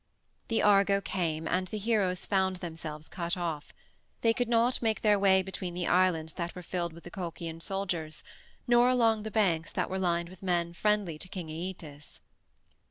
The Argo came and the heroes found themselves cut off. They could not make their way between the islands that were filled with the Colchian soldiers, nor along the banks that were lined with men friendly to King Æetes.